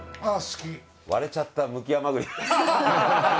割れちゃったむき甘栗。